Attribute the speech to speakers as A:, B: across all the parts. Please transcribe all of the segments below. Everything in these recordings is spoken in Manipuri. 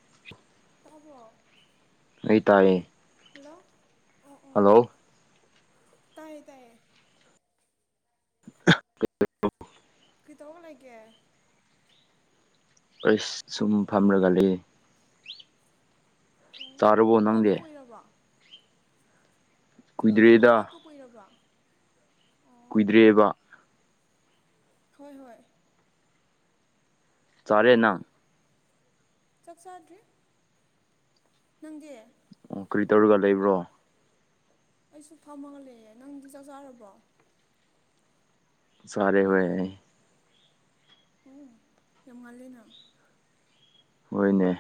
A: [inaudible]
B: ꯇꯥꯕꯣ
A: ꯑꯩꯩ ꯇꯥꯛꯌꯦ
B: ꯍꯜꯂꯣ ꯑꯣ ꯑꯣ
A: ꯍꯜꯂꯣ
B: ꯇꯥꯏꯌꯦ ꯇꯥꯏꯌꯦ
A: ꯍꯣ
B: ꯀꯩꯇꯧꯔꯒ ꯂꯩꯒꯦ
A: ꯑꯩꯁ ꯁꯨꯝ ꯐꯝꯔꯒ ꯂꯩꯑ‌ꯦ
B: ꯎꯝ
A: ꯆꯥꯔꯕꯣ
B: ꯍꯧꯒꯠꯄ
A: ꯅꯪꯗꯤ
B: ꯀꯨꯏꯔꯕ꯭ꯔꯣ
A: ꯀꯨꯏꯗ꯭ꯔꯤꯗ
B: ꯍꯧꯋꯥꯠꯄ ꯀꯨꯏꯔꯕ꯭ꯔꯣ ꯑꯣ
A: ꯀꯨꯏꯗ꯭ꯔꯦꯕ
B: ꯍꯣꯏ ꯍꯣꯏ
A: ꯆꯔꯦꯅ
B: ꯆꯥꯛ ꯆꯥꯗ꯭ꯔꯤ ꯅꯪꯗꯤ
A: ꯀ꯭ꯔꯤ ꯇꯧꯔꯒ ꯂꯩꯕ꯭ꯔꯣ
B: ꯑꯩꯁꯨ ꯐꯝꯃꯒꯂꯦ ꯅꯪꯗꯤ ꯆꯥꯛ ꯆꯥꯔꯕ꯭ꯔꯣ
A: ꯁꯔꯦ ꯍꯌꯦ ꯍꯥꯏ
B: ꯎꯝ ꯌꯥꯝ ꯉꯜꯂꯦꯅ
A: ꯍꯣꯏꯅꯦ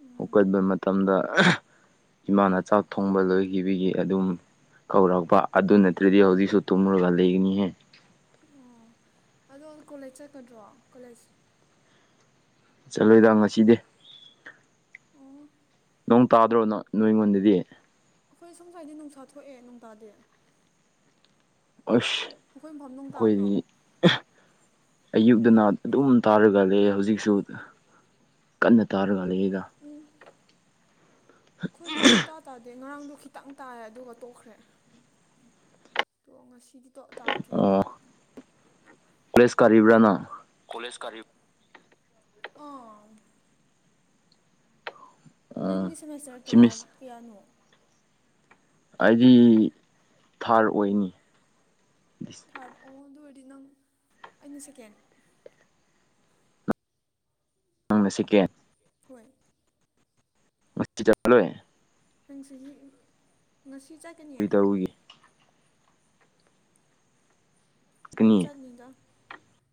B: ꯎꯝ
A: ꯎꯀꯟꯕ ꯃꯇꯝꯗ ꯏꯃꯥꯅ ꯆꯥꯛ ꯊꯣꯡꯕ ꯂꯣꯏꯒꯤꯕꯒꯤ ꯑꯗꯨꯝ ꯀꯧꯔꯛꯄ ꯑꯗꯨ ꯅꯠꯇ꯭ꯔ‌ꯦꯗꯤ ꯍꯧꯖꯤꯛꯁꯨ ꯇꯨꯝꯃꯨꯔꯒ ꯂꯩꯒꯅꯤꯍꯦ
B: ꯑꯣ ꯑꯗꯣ ꯀꯣꯂꯦꯠ ꯆꯠꯀꯗ꯭ꯔꯣ ꯀꯣꯂꯦꯖ
A: ꯆꯠꯂꯣꯏꯗ ꯉꯁꯤꯗꯤ
B: ꯑꯣ
A: ꯅꯣꯡ ꯇꯥꯗ꯭ꯔꯣ ꯅꯣ ꯅꯣꯏꯉꯣꯟꯗꯗꯤ
B: ꯑꯩꯈꯣꯏ ꯁꯣꯝ ꯁꯨꯋꯥꯏꯗ ꯅꯨꯡꯁꯥ ꯊꯣꯛꯑꯦ ꯅꯣꯡ ꯇꯥꯗꯦ
A: ꯑꯁ
B: ꯅꯈꯣꯏ ꯃꯐꯝ ꯅꯨꯡ ꯇꯥꯕ꯭ꯔꯣ
A: ꯑꯩꯈꯣꯏꯗꯤ ꯑꯌꯨꯛꯇꯅ ꯅꯜ ꯇꯨꯝ ꯇꯥꯔꯒꯂꯤ ꯍꯧꯖꯤꯛꯁꯨ ꯀꯟꯅ ꯇꯥꯔꯒꯥꯟꯂ ꯑꯩꯗ
B: ꯎꯝ ꯑꯩꯈꯣꯏꯗꯤ ꯁꯨꯇꯥ ꯇꯥꯗꯦ ꯉꯔꯥꯡꯗꯣ ꯈꯤꯇꯪ ꯇꯥꯏ ꯑꯗꯨꯒ ꯇꯣꯛꯈ꯭ꯔꯦ ꯑꯗꯣ ꯉꯁꯤꯗꯤ ꯇꯥꯗ꯭ꯥꯔꯤ
A: ꯄ꯭ꯔꯦꯁ ꯀꯔꯤꯕ꯭ꯔꯥꯅ
B: ꯀꯣꯂꯦꯖ ꯀꯔꯤ
A: ꯑꯣ
B: ꯅꯪꯒꯤ ꯁꯦꯃꯦꯁꯇꯔ ꯀꯌꯥ
A: ꯁꯤꯃꯤꯁ
B: ꯀꯌꯥꯅꯣ
A: ꯑꯩꯗꯤ ꯊꯥꯔ ꯑꯣꯏꯅꯤ
B: ꯊꯥꯔꯠ ꯑꯣ ꯑꯗꯨ ꯑꯣꯏꯔꯗꯤ ꯅꯪ ꯑꯩꯅ ꯁꯦꯀꯦꯟ
A: ꯅꯪꯅ ꯁꯦꯀꯦꯟ
B: ꯍꯣꯏ
A: [unintelligible]
B: ꯅꯪꯁꯤ ꯉꯁꯤ ꯆꯠꯀꯅꯤ
A: ꯀꯔꯤ ꯇꯧꯔꯨꯒꯦ
B: ꯑꯗꯨꯝ
A: ꯀꯅꯤ
B: ꯆꯠꯅꯤꯡꯗ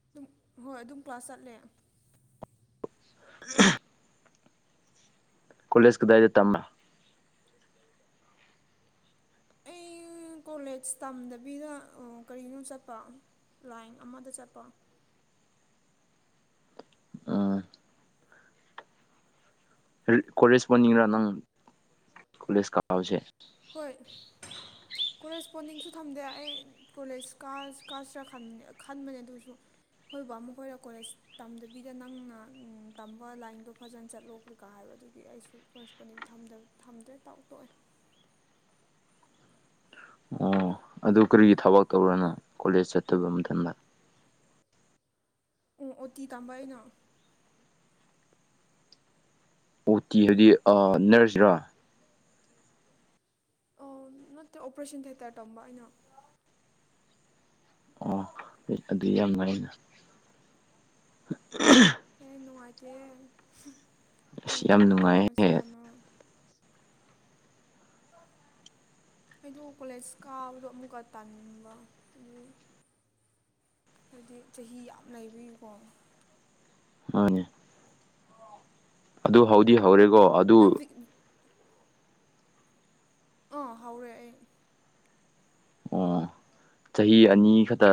B: ꯑꯗꯨꯝ ꯍꯣꯏ ꯑꯗꯨꯝ ꯀ꯭ꯂꯥꯁ ꯆꯠꯂꯦ
A: [inaudible] ꯀꯣꯂꯦꯖ ꯀꯗꯥꯏꯗ ꯇꯝꯃ
B: [inaudible] ꯑꯩ ꯀꯣꯂꯦꯖ ꯇꯝꯗꯕꯤꯗ ꯑꯥ ꯀꯔꯤꯅꯣ ꯆꯠꯄ ꯂꯥꯏꯡ ꯑꯃꯗ ꯆꯠꯄ
A: ꯑꯥ ꯀꯣꯂꯦꯖ ꯄꯣꯟꯅꯤꯡꯔ ꯅꯪ ꯀꯣꯂꯦꯖ ꯀꯥꯕꯁꯦ
B: ꯍꯣꯏ ꯀꯣꯔꯦꯁꯄꯣꯟꯗꯤꯡꯁꯨ ꯊꯝꯗꯦ ꯑꯩ ꯀꯣꯂꯦꯖ ꯀ ꯀꯥꯁꯤꯔꯕ ꯈꯟꯕꯅꯦ ꯑꯗꯨꯁꯨ ꯑꯩꯈ‌ꯣꯏ ꯕꯥꯃ‌ꯣ ꯀꯣꯂꯦꯖ ꯇꯝꯗꯕꯤꯗ ꯅꯪꯅ ꯎꯝ ꯇꯝꯕ ꯂꯥꯏꯟꯗꯣ ꯐꯖꯟ ꯆꯠꯂꯣ ꯀꯔꯤ ꯀꯥ ꯍꯥꯏꯕ ꯑꯗꯨꯒꯤ ꯑꯩꯁꯨ ꯀꯣꯔꯦꯁꯄꯣꯟꯗꯤꯡ ꯊꯝꯗ ꯊꯝꯗ꯭ꯔꯦ ꯇꯥꯎ ꯇꯣꯛꯑꯦ
A: ꯑꯣ ꯑꯗꯨ ꯀꯔꯤꯒꯤ ꯊꯕꯛ ꯇꯧꯕꯔ꯭ ꯅ ꯀꯣꯂꯦꯖ ꯆꯠꯇꯕ ꯃꯇꯝꯗ
B: ꯑꯣ ꯑꯣ ꯇꯤ ꯇꯥꯝꯕ ꯑꯩꯅ
A: ꯑꯣ ꯇꯤ ꯍꯥꯏꯗꯤ ꯑꯥ ꯅꯔꯁ ꯔꯥ
B: ꯑꯣ ꯅꯠꯇꯦ ꯑꯣꯄꯔꯦꯁꯟ ꯊꯦꯇꯔ ꯇꯝꯕ ꯑꯩꯅ
A: ꯑꯣ ꯑꯗꯨ ꯌꯥꯝ ꯅꯨꯉꯥꯏꯅ
B: ꯍꯦ ꯅꯨꯡꯉꯥꯏꯇꯦ ꯀꯔꯤ
A: ꯑꯁ ꯌꯥꯝ
B: ꯅꯨꯡꯉꯥꯏꯗꯣꯏꯅꯣ ꯁꯤ
A: ꯅꯨꯡꯉꯥꯏꯍꯦ
B: ꯇꯥꯝꯃꯒ ꯑꯩꯗꯣ ꯀꯣꯂꯦꯖ ꯀꯥꯕꯗꯣ ꯑꯃꯨꯛꯀ ꯇꯥꯟꯕ ꯑꯗꯨꯏ ꯍꯥꯏꯗꯤ ꯆꯍꯤ ꯌꯥꯝ ꯂꯩꯕꯒꯤꯀꯣ
A: ꯃꯥꯅꯦ ꯑꯗꯨ ꯍꯧꯗꯤ ꯍꯧꯔꯦꯒꯣ
B: ꯅꯪ [unintelligible] ꯑꯥ ꯍꯧꯔꯦ ꯑꯩ
A: ꯑꯣ ꯆꯍꯤ ꯑꯅꯤ ꯈꯛꯇ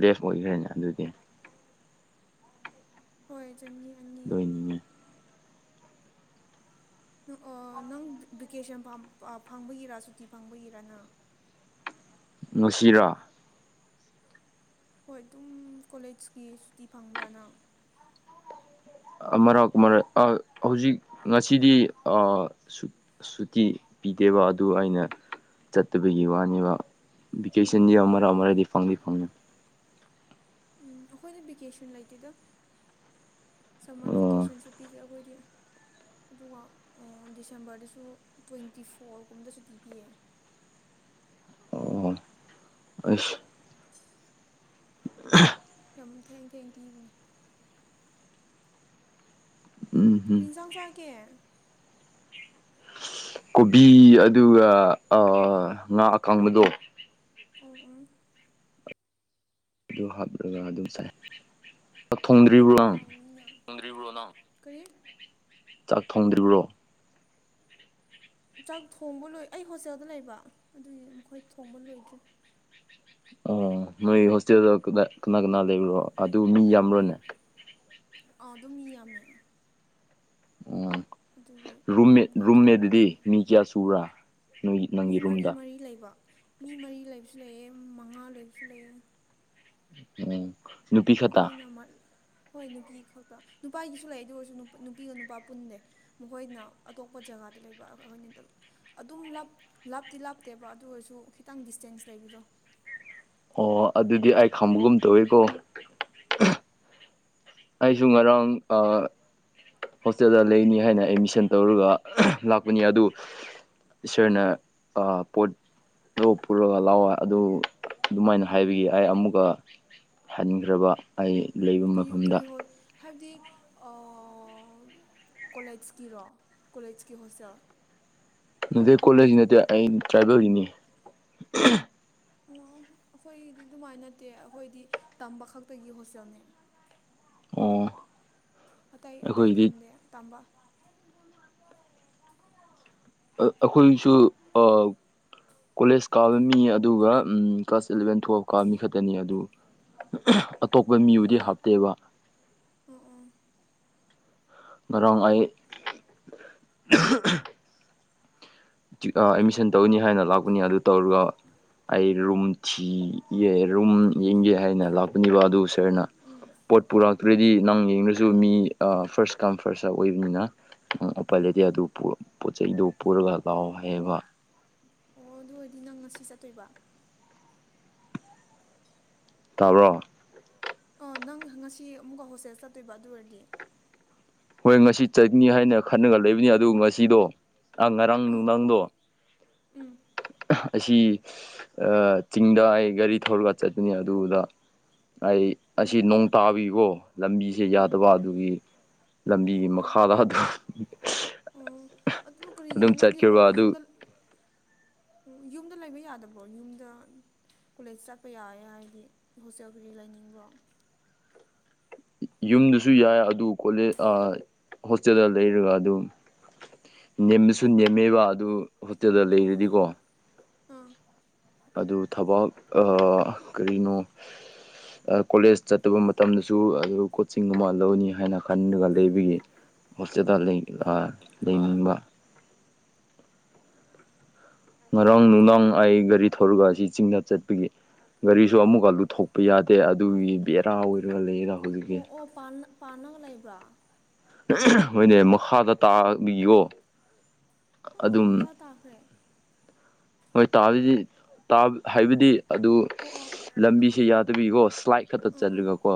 A: ꯂꯦꯐ ꯑꯣꯏꯈ꯭ꯔꯦꯅꯦ ꯑꯗꯨꯗꯤ
B: ꯍꯣꯏ ꯆꯅꯤ ꯑꯅꯤ
A: ꯂꯣꯏꯅꯤꯡꯉꯦ
B: ꯑꯣ ꯅꯪ ꯚꯦꯀꯦꯁꯟ ꯐꯪꯕꯒꯤꯔ ꯁꯨꯇꯤ ꯐꯪꯕꯒꯤꯔꯥ ꯅꯪ
A: ꯉꯥꯁꯤꯔꯥ
B: ꯍꯣꯏ ꯑꯗꯨꯝ ꯀꯣꯂꯦꯖꯀꯤ ꯁꯨꯇꯤ ꯐꯪꯕ꯭ꯔꯅꯪ
A: ꯃꯔꯛ ꯃꯔꯛ ꯑ ꯍꯧꯖꯤꯛ ꯉꯁꯤꯗꯤ ꯑꯑ ꯁꯨ ꯁꯨꯇꯤ ꯄꯤꯗꯦꯕ ꯑꯗꯨ ꯑꯩꯅ ꯆꯠꯇꯕꯒꯤ ꯋꯥꯅꯦꯕ
B: ꯎꯝ
A: ꯕ‌ꯦꯀꯁꯟꯗꯤ
B: ꯎꯝ
A: ꯑ
B: ꯎꯝ
A: ꯑꯔꯗꯤ ꯐꯪꯗꯤ ꯐꯪꯅꯤ
B: ꯎꯝ ꯑꯩꯈꯣꯏꯅ ꯚꯦꯀꯦꯁꯟ ꯂꯩꯇꯦꯗ ꯁꯝꯃꯔ
A: ꯑꯣ
B: ꯚꯦꯀꯦꯁꯟꯁꯨ ꯄꯤꯗꯦ ꯑꯩꯈꯣꯏꯗꯤ ꯑꯗꯨꯒ ꯗꯤꯁꯦꯝꯕꯔꯗꯁꯨ ꯇ꯭ꯋꯦꯟꯇꯤ ꯐꯣꯔꯒꯨꯝꯗꯁꯨ ꯁꯨꯇꯤ ꯕꯤꯌꯦ
A: ꯑꯣ ꯑꯁ
B: ꯌꯥꯝ ꯊꯦꯡ ꯊꯦꯡ ꯄꯤꯕꯅꯦ
A: ꯎꯝ ꯎꯝ
B: ꯀꯔꯤ ꯏꯟꯁꯥꯡ ꯆꯥꯒꯦ
A: ꯀꯣꯕꯤ ꯑꯗꯨꯒ ꯑꯥ ꯉꯥ ꯑꯀꯡꯕꯗꯣ
B: ꯎꯝ ꯎꯝ
A: ꯑꯗꯨ ꯍꯥꯞꯂꯒ ꯑꯗꯨꯝ ꯆꯥꯏ ꯆꯥꯛ ꯊꯣꯡꯗ꯭ꯔꯤꯕ꯭ꯔꯣ
B: ꯎꯝ
A: ꯅꯪ
B: ꯍꯥꯎꯅꯤꯅ [unintelligible]
A: ꯆꯥꯛ ꯊꯣꯡꯗ꯭ꯔꯤꯕ꯭ꯔꯣ
B: ꯆꯥꯛ ꯊꯣꯡꯕ ꯂꯣꯏ ꯑꯩ ꯍꯣꯁꯇꯦꯜꯗ ꯂꯩꯕ ꯑꯗꯨꯏ ꯃꯈꯣꯏ ꯊꯣꯡꯕ ꯂꯣꯏꯗ꯭ꯔꯤ
A: ꯑꯣ ꯅꯣꯏ ꯍꯣꯁꯇꯦꯜꯗ ꯀꯅꯥ ꯀꯅꯥ ꯂꯩꯕ꯭ꯔꯣ ꯑꯗꯨ ꯃꯤ ꯌꯥꯝ꯭ꯕꯔꯣꯅꯦ
B: ꯑꯥꯎ ꯑꯗꯨꯝ ꯃꯤ ꯌꯥꯝꯃꯦ ꯑꯗꯨꯒꯤ
A: ꯎ ꯔꯨꯝꯃꯦꯠ
B: ꯃꯈꯣꯏ
A: ꯔꯨꯝꯃꯦꯠ
B: ꯊꯣꯡ
A: ꯑꯗꯨꯗꯤ ꯃꯤ ꯀꯌꯥ ꯆꯨꯕꯥ
B: ꯃꯤ ꯃꯔꯤ ꯃꯔꯤ ꯂꯩꯕ ꯃꯤ ꯃꯔꯤ ꯂꯩꯕꯁꯨ ꯂꯩꯑ ꯃꯉꯥ ꯂꯩꯕꯁꯨ ꯂꯩꯑꯦ
A: [unintelligible] ꯈꯛꯇ
B: ꯑꯩꯈꯣꯏꯅ ꯍꯣꯏ ꯅꯨꯄꯤ ꯈꯛꯇ ꯅꯨꯄꯥꯒꯤꯁꯨ ꯂꯩ ꯑꯗꯨ ꯑꯣꯏꯔꯁꯨ ꯅꯨꯄꯤꯒ ꯅꯨꯄꯥ ꯄꯨꯟꯗ‌ꯦ ꯃꯈꯣꯏꯅ ꯑꯇꯣꯞꯄ ꯖꯒꯥꯗ ꯂꯩꯕ ꯑꯩꯈꯣꯏꯅꯤꯗꯨ ꯑꯗꯨꯝ ꯂꯥꯞ ꯂꯥꯞꯇꯤ ꯂꯥꯞꯇꯦꯕ ꯑꯗꯨ ꯑꯣꯏꯔꯁꯨ ꯈꯤꯇꯪ ꯗꯤꯁꯇꯦꯟꯁ ꯂꯩꯕꯗꯣ
A: ꯑꯣ ꯑꯗꯨꯗꯤ ꯑꯩ ꯈꯪꯕꯒꯨꯝ ꯇꯧꯋꯦꯀꯣ ꯑꯩꯁꯨ ꯉꯔꯥꯡ ꯑ ꯍꯣꯁꯇꯦꯜꯗ ꯂꯩꯅꯤ ꯍꯥꯏꯅ ꯑꯦꯠꯃꯤꯁꯟ ꯇꯧꯔꯒꯥ ꯂꯥꯛꯄꯅꯤ ꯑꯗꯨ ꯏꯁꯔꯅ ꯑ ꯄꯣꯠ ꯂꯣꯛꯞ ꯄꯨꯔꯒ ꯂꯥꯛꯑꯣ ꯑꯗꯨ ꯑꯗꯨꯃꯥꯏꯅ ꯍꯥꯏꯕꯒꯤ ꯑꯩ ꯑꯃꯨꯛꯀ ꯍꯟꯈ꯭ꯔꯕ ꯑꯩ ꯂꯩꯕ
B: ꯀꯔꯤ ꯀꯔꯤ
A: ꯃꯐꯝꯗ
B: ꯍꯣꯜ ꯍꯥꯏꯕꯗꯤ ꯀꯣꯂꯦꯖꯀꯤꯔꯣ ꯀꯣꯂꯦꯖꯀꯤ ꯍꯣꯁꯇꯦꯜ
A: ꯅꯗ‌ꯦ ꯀꯣꯂꯦꯖꯀꯤ ꯅꯠꯇꯦ ꯑꯩ ꯗ꯭ꯔꯥꯏꯕꯦꯜꯒꯤꯅꯤ
B: ꯑꯣ ꯑꯩꯈꯣꯏꯒꯤꯗꯤ ꯑꯗꯨꯃꯥꯏꯅ ꯅꯠꯇꯦ ꯑꯩꯈꯣꯏꯗꯤ ꯇꯝꯕ ꯈꯛꯇꯒꯤ ꯍꯣꯁꯇꯦꯜꯅꯦ
A: ꯑꯣ
B: ꯑꯇꯩ ꯑꯇꯩ
A: ꯑꯩꯈꯣꯏꯗꯤ
B: ꯊꯝꯗꯦ ꯇꯝꯕ
A: ꯑꯩꯈꯣꯏꯁꯨ ꯑ ꯀꯣꯂꯦꯖ ꯀꯥꯕ ꯃꯤ ꯑꯗꯨꯒ ꯎꯝ ꯀ꯭ꯂꯥꯁ ꯏꯂꯕꯦꯟ ꯇꯨꯌꯦꯜꯞꯀ ꯃꯤꯈꯠꯇꯅꯤ ꯑꯗꯨ ꯑꯇꯣꯞꯄ
B: ꯎꯝ
A: ꯃꯤꯕꯨꯗꯤ
B: ꯎꯝ
A: ꯍꯥꯞꯇꯦꯕ
B: ꯎꯝ ꯎꯝ
A: ꯉꯔꯥꯡ ꯑꯩ ꯑ [unintelligible] ꯑꯦꯠꯃꯤꯁꯟ ꯇꯧꯅꯤ ꯍꯥꯏꯅ ꯂꯥꯛꯄꯅꯤ ꯑꯗꯨ ꯇꯧꯔꯒ ꯑꯩ ꯔꯨꯝ ꯊꯤꯒꯦ ꯔꯨꯝ ꯌꯦꯡꯒꯦ ꯍꯥꯏꯅ ꯂꯥꯛꯄꯅꯦꯕ ꯑꯗꯨ ꯁꯔꯅ
B: ꯎꯝ
A: ꯄꯣꯠ ꯄꯨꯔꯛꯇ꯭ꯔꯗꯤ ꯅꯪ ꯌꯦꯡꯗꯁꯨ ꯃꯤ ꯐꯥꯔꯁ ꯀꯝ ꯐꯥꯔꯁꯇ ꯑꯣꯏꯕꯅꯤꯅ ꯑꯣꯄꯜ ꯂꯩꯇꯦ ꯑꯗꯨ ꯄꯣꯠ ꯆꯩꯗꯨ ꯄꯨꯔꯒ ꯂꯥꯎ ꯍꯥꯏꯌꯦꯕ
B: ꯑꯣ ꯑꯗꯨ ꯑꯣꯏꯔꯗꯤ ꯅꯪ ꯉꯁꯤ ꯆꯠꯇꯣꯏꯕ
A: ꯇꯥꯕ꯭ꯔꯣ
B: ꯅꯪ ꯉꯁꯤ ꯑꯃꯨꯛꯀ ꯍꯣꯁꯇꯦꯜ ꯆꯠꯇꯣꯏꯕ ꯑꯗꯨ ꯑꯣꯏꯔꯗꯤ
A: ꯍꯣꯏ ꯉꯁꯤ ꯆꯠꯅꯤ ꯍꯥꯏꯅ ꯈꯟꯅꯒ ꯂꯩꯕꯅꯤ ꯑꯗꯨ ꯉꯁꯤꯗꯣ ꯑ ꯉꯔꯥꯡ
B: ꯑꯥ
A: ꯅꯨꯡꯗꯥꯡꯗꯣ
B: ꯎꯝ
A: ꯑꯁꯤ ꯆꯤꯡꯗ ꯑꯩ ꯒꯥꯔꯤ ꯊꯧꯔꯒ ꯆꯠꯄꯅꯤ ꯑꯗꯨꯗ ꯑꯩ ꯑꯁꯤ
B: ꯎꯝ
A: ꯅꯣꯡ ꯇꯥꯕꯤꯀꯣ ꯂꯝꯕꯤꯁꯦ
B: ꯎꯝ
A: ꯌꯥꯗꯕ ꯑꯗꯨꯒꯤ ꯂꯝꯕꯤꯒꯤ
B: ꯎꯝ ꯎꯝ
A: ꯃꯈꯥꯗ
B: ꯑꯣ ꯑꯗꯨ ꯀꯔꯤꯒꯤꯅꯣ
A: ꯑꯗꯨꯝ
B: ꯅꯪꯗꯤ ꯍ
A: ꯆꯠꯈꯤꯕ ꯑꯗꯨ
B: ꯌꯨꯝꯗ ꯑꯣ ꯌꯨꯝꯗ ꯂꯩꯕ ꯌꯥꯗꯕ꯭ꯔꯣ ꯌꯨꯝꯗ ꯀꯣꯂꯦꯖ ꯆꯠꯄ ꯌꯥꯋꯦ ꯍꯥꯏꯗꯤ ꯍꯣꯁꯇꯦꯜ ꯀꯔꯤ ꯂꯥꯏꯅꯤꯡꯕꯣ
A: ꯌꯨꯝꯗꯨꯁꯨ ꯌꯥꯏ ꯑꯗꯨ ꯀꯣꯂ‌ꯦꯁ ꯑ ꯍꯣꯁꯇꯦꯜꯗ ꯂꯩꯔꯒ ꯑꯗꯨꯝ ꯅꯦꯝꯕꯁꯨ ꯅꯦꯝꯃꯦꯕ ꯑꯗꯨ ꯍꯣꯇꯦꯜꯗ
B: ꯎꯝ ꯎꯝ
A: ꯂꯩꯔꯗꯤꯀꯣ
B: ꯑꯥ
A: ꯑꯗꯨ ꯊꯕꯥꯛ ꯑ ꯀꯔꯤꯅꯣ
B: [inaudible]
A: ꯀꯣꯂꯦꯖ ꯆꯠꯇꯕ ꯃꯇꯝꯗꯁꯨ ꯑꯗꯨ ꯀꯣꯆꯤꯡ ꯑꯃ ꯂꯧꯅꯤ ꯍꯥꯏꯅ ꯈꯟꯂꯒ ꯂꯩꯕꯒꯤ ꯍꯣꯁꯇꯦꯗꯜ ꯂꯩ ꯑ
B: ꯂꯥꯛ
A: ꯉꯔꯥꯡ ꯅꯨꯡꯗꯥꯡ ꯑꯩ ꯒꯥꯔꯤ ꯊꯧꯔꯒ ꯑꯁꯤ ꯆꯤꯡꯗ ꯆꯠꯄꯒꯤ ꯒꯥꯔꯤꯁꯨ ꯑꯃꯨꯛꯀ ꯂꯨꯊꯣꯛꯄ ꯌꯥꯗꯦ ꯑꯗꯨꯒꯤ ꯕꯦꯔꯥ ꯑꯣꯏꯔꯒ ꯂꯩꯌꯦꯗ ꯍꯧꯖꯤꯛꯀꯤ
B: ꯑꯣ ꯑꯣ ꯄꯥꯟ ꯄꯥꯟꯅꯕ ꯂꯩꯕ꯭ꯔꯥ
A: ꯍꯣꯏꯅꯦ ꯃꯈꯥꯗ ꯇꯥꯕꯤꯌꯣ
B: ꯑꯣ
A: ꯑꯗꯨꯝ
B: ꯃꯈꯥ ꯇꯥꯈ꯭ꯔꯦ
A: ꯍꯣꯏ ꯇꯥꯗꯤ ꯍꯥꯏꯕꯗꯤ ꯑꯗꯨ
B: ꯑꯣ ꯑꯣ ꯑꯥ
A: ꯂꯝꯕꯤꯁꯦ ꯌꯥꯗꯕꯤꯀꯣ ꯁ꯭ꯂꯥꯏꯠ ꯈꯛꯇ
B: ꯎꯝ ꯎꯝ
A: ꯆꯠꯂꯒꯀꯣ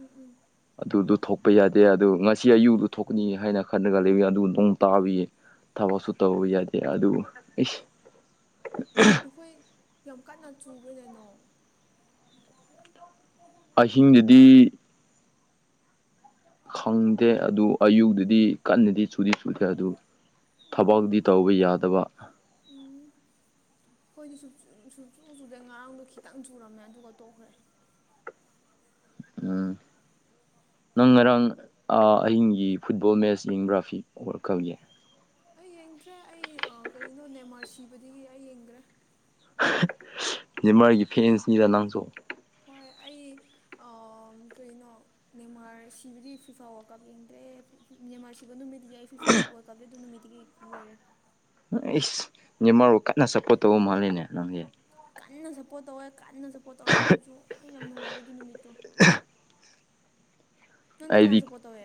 B: ꯎꯝ ꯎꯝ
A: ꯑꯗꯨꯗꯨ ꯊꯣꯛꯄ ꯌꯥꯗꯦ ꯑꯗꯨ ꯉꯁꯤ ꯑꯌꯨꯗꯨ ꯊꯣꯛꯀꯅꯤ ꯍꯥꯏꯅ ꯈꯜꯂꯒ ꯂꯩ ꯑꯗꯨ ꯅꯣꯡ ꯇꯥꯕꯤꯌꯦ ꯊꯕꯛꯁꯨ ꯇꯧꯕ ꯌꯥꯗꯦ ꯑꯗꯨꯕꯨꯁ ꯎ
B: ꯅꯈꯣꯏ ꯌꯥꯝ ꯀꯟꯅ ꯆꯨꯕꯅꯦꯅꯣ
A: ꯑꯍꯤꯡꯗꯗꯤ ꯈꯪꯗꯦ ꯑꯗꯨ ꯑꯌꯨꯛꯛꯇꯗꯤ ꯀꯟꯅꯗꯤ ꯁꯨꯗꯤ ꯁꯨꯗꯦ ꯑꯗꯨ
B: ꯎꯝ
A: ꯊꯕꯛꯗꯤ ꯇꯧꯕ ꯌꯥꯗꯕ
B: ꯍꯣꯏꯗꯤ ꯁꯆꯨ ꯆꯨꯗꯩ ꯉꯔꯥꯡꯗꯣ ꯈꯤꯇꯪ ꯆꯨꯔꯝꯃꯦ ꯑꯗꯨꯒ ꯇꯣꯛꯈ꯭ꯔꯦ
A: ꯎꯝ ꯅꯪ ꯉꯔꯥꯡ ꯑꯍꯤꯡꯒꯤ ꯐꯨꯠꯕꯣꯜ ꯃꯦꯠꯆ ꯌꯦꯡꯕ꯭ꯔꯥꯐꯤꯛ ꯍꯧꯔꯛꯈꯒꯦ
B: ꯑꯩ ꯌꯦꯡꯗ꯭ꯔꯦ ꯑꯩ ꯀꯔꯤꯅꯣ ꯅꯦꯃꯥꯔ ꯁꯤꯕꯗꯒꯤ ꯑꯩ ꯌꯦꯡꯗ꯭ꯔꯦ
A: ꯃꯥꯔꯒꯤ ꯐꯦꯟꯁꯅꯤꯗ ꯅꯥꯡꯁꯨ
B: ꯍꯣꯏ ꯑꯩ ꯀꯩꯅꯣ ꯃꯦꯟꯟꯃꯥꯔ ꯁꯤꯕꯗꯤ ꯐꯤꯐꯥ ꯋꯥꯔꯜ ꯀꯥꯞ ꯌꯦꯡꯗ꯭ꯔꯦ ꯃ꯭ꯦꯟꯃꯥꯔ ꯁꯤꯕ ꯅꯨꯃꯤꯠꯇꯒꯤ ꯑꯩ ꯐꯤꯐꯥ ꯋꯥꯔꯜ ꯀꯞꯇꯦ ꯑꯗꯨ ꯅꯨꯃꯤꯠꯇꯒꯤ ꯂꯣꯏꯔꯦ
A: ꯏꯁ ꯅ ꯃꯔꯨ ꯀꯟꯅ ꯁꯞꯄꯣꯔꯠ ꯇꯧꯕ ꯃꯥꯜꯂꯤꯦꯅꯦ ꯅꯪꯒꯤ
B: ꯀꯟꯅ ꯁꯞꯄꯣꯔꯠ ꯇꯧꯋꯦ ꯀꯟꯅ ꯁꯞꯄꯣꯔꯠ ꯇꯧꯗ ꯑꯣꯏꯔꯁꯨ ꯌꯥꯝ ꯅꯨꯡꯉꯥꯏꯗꯦ ꯑꯗꯨ ꯅꯨꯃꯤꯠꯇꯣ ꯅꯪꯗꯤ ꯀꯅꯥ
A: ꯑꯩꯗꯤ
B: ꯁꯨꯄꯣꯔꯠ ꯇꯧꯋꯦ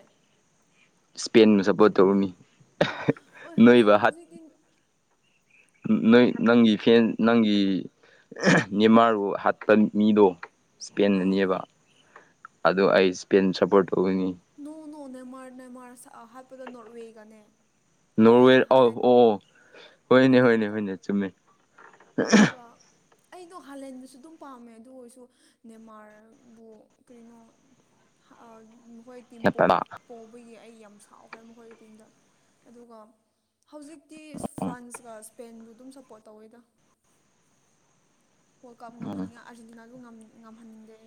A: ꯏꯁꯄꯦꯟꯕꯨ ꯁꯞꯄꯣꯔꯠ ꯇꯧꯔꯨꯅꯤ
B: ꯍ ꯍꯧꯖꯤꯛ
A: ꯅꯣꯏꯕ
B: ꯍꯧꯖꯤꯛꯀꯤ
A: ꯅ ꯅꯪꯒꯤ ꯐꯦꯟ ꯅꯪꯒꯤ ꯅꯤꯃꯥꯔ ꯍꯄ
B: ꯑꯥ
A: ꯃꯤꯗꯣꯄꯦꯟꯒꯅꯦꯕ ꯑꯗꯨꯗꯣ ꯑꯩ ꯏꯁꯄꯦꯟ ꯁꯞꯄꯣꯔꯠ ꯇꯧꯒꯅꯤ
B: ꯅꯣꯡ ꯅꯣꯡ ꯅꯦꯃꯥꯔ ꯅꯦꯃꯥꯔ ꯁꯛ ꯍꯥꯏꯞꯄꯗꯣ ꯅꯣꯔꯠꯋꯦꯒꯅꯦ
A: ꯅꯣꯔꯋꯦ ꯑꯥꯎ ꯑꯣ ꯍꯣꯏꯅꯦ ꯍꯣꯏꯅꯦ
B: ꯍꯥꯂꯦꯟꯒ
A: ꯍꯣꯏꯅꯦ ꯆꯨꯝꯃꯦ
B: ꯑꯗꯨꯒ ꯑꯩꯗꯣ ꯍꯜꯍꯦꯟꯕꯁꯨ ꯑꯗꯨꯝ ꯄꯥꯝꯃꯦ ꯑꯗꯨ ꯑꯣꯏꯔꯁꯨ ꯅꯦꯃꯥꯔꯕꯨ ꯀꯩꯅꯣ ꯍꯣꯏ ꯇꯦꯝ ꯄꯣꯞ ꯄꯕꯒꯤ ꯑꯩ ꯌꯥꯝ ꯁꯥꯎꯈ꯭ꯔꯦ ꯃꯈꯣꯏꯒꯤ ꯇꯤꯝꯗ ꯑꯗꯨꯒ ꯍꯧꯖꯤꯛꯇꯤ ꯐ꯭ꯔꯥꯟꯁꯀ ꯁ꯭ꯄꯦꯟꯕꯨ ꯑꯗꯨꯝ ꯁꯞꯄꯣꯔꯠ ꯇꯧꯋꯦꯗ ꯍꯜ ꯀꯞ ꯉꯝꯍꯟꯅꯤꯡꯉ ꯑꯥꯔꯖꯦꯟꯇꯤꯅꯥꯗꯨ ꯉꯝꯍꯟꯅꯤꯡꯗꯦ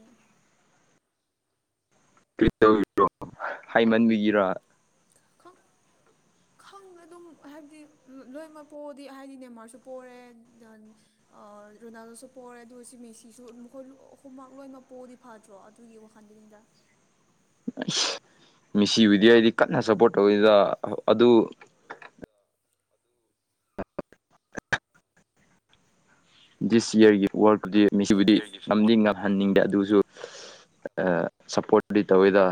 A: ꯇꯧꯣ ꯍꯥꯏꯃꯟꯕꯤꯒꯤꯔꯥ
B: [unintelligible] ꯈꯪ ꯑꯗꯨꯝ ꯍꯥꯏꯕꯗꯤ ꯂꯣꯏꯅꯃꯛ ꯄꯣꯛꯑꯗꯤ ꯍꯥꯏꯗꯤ ꯅꯦꯃꯥꯔꯁꯨ ꯄꯣꯔꯦ ꯗꯦꯟ ꯔꯣꯅꯥꯜꯗꯣꯁꯨ ꯄꯣꯔꯔꯦ ꯑꯗꯨꯒ ꯁꯤ ꯃꯦꯁꯤꯁꯨ ꯃꯈꯣꯏ ꯑꯍꯨꯝꯃꯛ ꯂꯣꯏꯅꯃꯛ ꯄꯣꯗꯤ ꯐꯗ꯭ꯔꯣ ꯑꯗꯨꯒꯤ ꯋꯥꯈꯟꯗꯨꯅꯤꯗ
A: ꯑꯁ ꯃꯤꯁꯤꯕꯨꯗꯤ ꯍꯥꯏꯗꯤ ꯀꯟꯅ ꯁꯞꯄꯣꯔꯠ ꯇꯧꯋꯤꯗ ꯑꯗꯨ ꯗꯤꯁ ꯌꯌꯥꯔꯒꯤ ꯋꯥꯔꯜ ꯇꯨꯗꯦ ꯃꯤꯁꯤꯕꯨꯗꯤ
B: ꯌꯔꯒꯤ
A: ꯅꯝꯗꯤ ꯉꯝ ꯍꯟꯅꯤꯡꯗꯦ ꯑꯗꯨꯁꯨ ꯁꯞꯄꯣꯔꯠꯇꯗꯤ ꯇꯧꯋꯤꯗ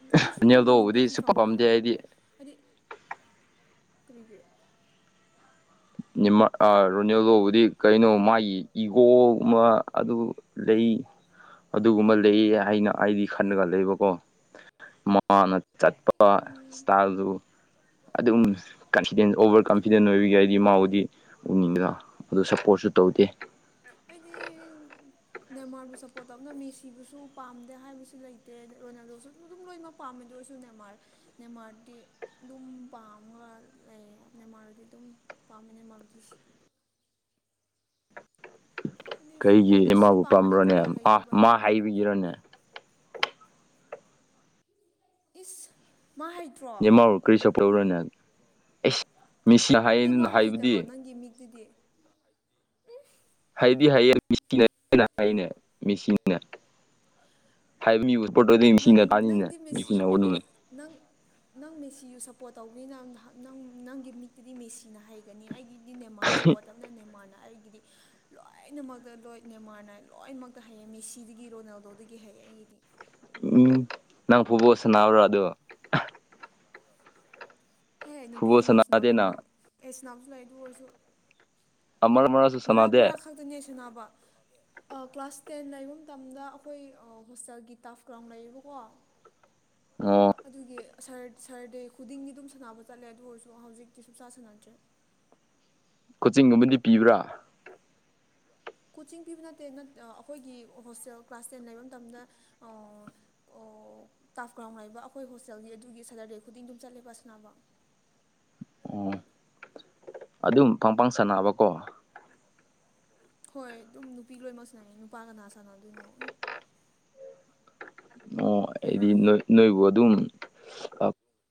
B: ꯎꯝ ꯑꯩꯁꯨ ꯉꯝꯍꯟꯅꯤꯡꯗꯦ
A: ꯔꯣꯅꯥꯜꯗꯣꯕꯨꯗꯤ
B: ꯐꯤ
A: ꯁꯨꯛꯄꯥꯝ
B: ꯐꯕꯀ
A: ꯄꯥꯝꯗꯦ ꯑꯩꯗꯤ
B: ꯃꯈꯣꯏꯕꯨ ꯍꯥꯏꯗꯤ ꯀꯔꯤꯒꯦ
A: ꯔꯣꯅꯦꯜꯗꯣꯕꯨꯗꯤ ꯀꯩꯅꯣ ꯃꯥꯒꯤ ꯏꯒꯣ ꯑꯃ ꯑꯗꯨ ꯂꯩ ꯑꯗꯨꯒꯨꯝꯕ ꯂꯩꯌꯦ ꯍꯥꯏꯅ ꯑꯩꯗꯤ ꯈꯜꯂꯒ ꯂꯩꯕꯀꯣ ꯃꯅ ꯆꯠꯄ
B: ꯎꯝ
A: ꯏꯁꯇꯥꯥꯗꯨ ꯑꯗꯨꯝ ꯀꯟꯐꯤꯗꯦꯟ ꯑꯣꯚꯔ ꯀꯟꯐꯤꯗꯦꯟ ꯑꯣꯏꯕ ꯌꯥꯏ ꯍꯥꯏꯗꯤ ꯃꯥꯕꯨꯗꯤ ꯎꯅꯤꯡꯗꯅ ꯑꯗꯨ ꯁꯞꯄꯣꯔꯠꯁꯨ ꯇꯧꯗꯦ
B: ꯍꯥꯏꯗꯤ ꯅꯦꯃꯥꯔꯕꯨ ꯁꯞꯄꯣꯔꯠ ꯇꯧꯞꯅ ꯃꯦꯁꯤꯕꯨꯁꯨ ꯄꯥꯝꯗꯦ ꯍꯥꯏꯕꯁꯨ ꯂꯩꯇꯦ ꯔꯣꯅꯥꯜꯗꯣꯁꯨ ꯑꯗꯨ ꯑꯗꯨꯝ ꯂꯣꯏꯅꯃꯛ ꯄꯥꯝꯃꯦꯗ ꯑꯣꯏꯁꯨ ꯅꯦꯃꯥꯔ ꯅꯦꯃꯥꯔꯗꯤ ꯑꯗꯨꯝ ꯄꯥꯝꯒ ꯂꯩꯅ ꯃꯥꯨꯗꯤ ꯑꯗꯨꯝ ꯄꯥꯝꯃꯦꯅ ꯃꯥꯕꯨꯗꯤ ꯍꯥꯏꯗꯤ
A: ꯀꯩꯒꯤ
B: ꯐꯨꯠꯕꯣꯜꯗ ꯁꯤ
A: ꯏꯃꯥꯕꯨ
B: ꯄꯥꯝꯗꯦ
A: ꯄꯥꯝꯕ꯭ꯔꯣꯅꯦ
B: ꯀ꯭ꯔꯤꯀꯥ
A: ꯑ
B: ꯂꯩꯇꯦꯕ
A: ꯃꯥ
B: ꯑꯩꯗꯤ
A: ꯍꯥꯏꯕꯤꯔꯣꯅꯦ
B: ꯏꯁ ꯃꯥ ꯍꯩꯇ꯭ꯔꯣ
A: ꯌꯦ ꯃꯥꯎꯔꯣ ꯀꯔꯤ ꯁꯞ ꯇꯧꯔꯅꯦ ꯑꯦꯁ ꯃꯤꯁꯤꯅ ꯍꯥꯏ
B: ꯑꯗꯨ ꯃꯥ
A: ꯍꯥꯏꯕꯗꯤ
B: ꯍꯩꯇꯕ꯭ꯔꯣ ꯅꯪꯒꯤ ꯃꯤꯛꯇꯨꯗꯤ
A: ꯍꯥꯏꯗꯤ ꯍꯥꯏꯌꯦꯦꯅ ꯍꯥꯏꯅꯦ ꯃꯦꯆꯅ ꯍꯥꯏ ꯃꯤ ꯎꯠꯄꯠꯇ ꯑꯣꯏꯗꯤ ꯃꯤꯁꯤꯅ
B: ꯅꯪ
A: ꯇꯥꯅꯤꯅꯦ
B: ꯅꯪꯗꯤ ꯃꯦꯁꯤ
A: ꯃꯤꯁꯤꯅ ꯎꯠꯅꯤꯅꯦ
B: ꯅꯪ ꯅꯪ ꯃꯦꯁꯤꯁꯨ ꯁꯞꯄꯣꯔꯠ ꯇꯧꯕꯅꯤꯅ ꯅꯪ ꯅꯪꯒꯤ ꯃꯤꯠꯇꯗꯤ ꯃꯦꯁꯤꯅ ꯍꯥꯏꯒꯦ ꯑꯣꯏꯒꯅꯤ ꯑꯩꯒꯤꯗꯤ ꯅꯦꯃꯥꯟꯅ ꯁꯞꯄꯣꯔꯠ ꯇꯞꯅ ꯅꯦꯃꯥꯟꯔꯅ ꯑꯩꯒꯤꯗꯤ ꯂꯣꯏꯅꯃꯛꯇ ꯂꯣꯏ ꯅꯦꯃꯥꯔꯅꯥꯏ ꯂꯣꯏꯅꯃꯛꯇ ꯍꯩꯌꯦ ꯃꯦꯁꯤꯗꯒꯤ ꯔꯣꯅꯥꯜꯗꯣꯗꯒꯤ ꯍꯩꯌꯦ ꯑꯩꯒꯤꯗꯤ
A: ꯎꯝ ꯅꯪ ꯐꯨꯕꯣ ꯁꯥꯟꯕ꯭ꯔꯣ ꯑꯗꯣ
B: ꯍꯦ ꯅꯨꯄꯤ
A: ꯐꯨꯠꯕꯣꯜ
B: ꯀꯅꯥꯁꯨꯅꯥꯗꯣꯏꯅꯣ
A: ꯁꯥꯟꯅꯗꯦꯅ
B: ꯑꯩ ꯁꯅꯥꯕꯁꯨ ꯂꯥꯛ ꯑꯗꯨ ꯑꯣꯏꯔꯁꯨ
A: ꯑꯃꯔ ꯃ
B: ꯃꯔꯥꯛ ꯃꯔꯥꯛ ꯈꯛꯇꯅꯦ ꯁꯅꯕ ꯀ꯭ꯂꯥꯁ ꯇꯦꯟ ꯂꯩꯕ ꯃꯇꯝꯗ ꯑꯩꯈꯣꯏ ꯍꯣꯁꯇꯦꯜꯒꯤ ꯇꯥꯐ ꯒ꯭ꯔꯥꯎꯟ ꯂꯩꯌꯦꯕꯀꯣ [inaudible]
A: ꯑꯣ
B: ꯑꯗꯨꯒꯤ ꯁꯔꯗꯦ ꯈꯨꯗꯤꯡꯒꯤ ꯑꯗꯨꯝ ꯁꯥꯟꯅꯕ ꯆꯠꯂꯦ ꯑꯗꯨ ꯑꯣꯏꯔꯁꯨ ꯍꯧꯖꯤꯛꯇꯤ ꯁꯨꯡꯆꯥ ꯁꯥꯟꯅꯗ꯭ꯔꯦ
A: ꯀꯣꯆꯤꯡ ꯑꯃꯗꯤ ꯄꯤꯕ꯭ꯔꯥ
B: ꯀꯣꯆꯤꯡ ꯄꯤꯕ ꯅꯠꯇꯦ ꯑꯩꯈꯣꯏꯒꯤ ꯍꯣꯁꯇꯦꯜ ꯀ꯭ꯂꯥꯁ ꯇꯦꯟ ꯂꯩꯕ ꯃꯇꯝꯗ ꯑꯣ ꯇꯥꯐ ꯒ꯭ꯔꯥꯎꯟ ꯂꯩꯕ ꯑꯩꯈꯣꯏ ꯍꯣꯁꯇꯦꯜꯒꯤ ꯑꯗꯨꯒꯤ ꯁꯦꯇꯔꯗꯦ ꯈꯨꯗꯤꯡ ꯑꯗꯨꯝ ꯆꯠꯂꯦꯕ ꯑꯁꯅꯥꯅꯕ
A: ꯑꯣ ꯑꯗꯨꯝ ꯄꯪ ꯄꯪ ꯁꯅꯥꯑꯕꯀꯣ
B: ꯍꯣꯏ ꯑꯗꯨꯝ ꯅꯨꯄꯤ ꯂꯣꯏꯅꯃꯛ ꯁꯥꯟꯅꯌꯦ ꯅꯨꯄꯥ ꯀꯅꯥ ꯁꯥꯟꯅꯗꯣꯏꯅꯣ ꯑꯩ
A: ꯑꯣ ꯍꯥꯏꯗꯤꯣꯏ ꯅꯣꯏꯕꯨ ꯑꯗꯨꯝ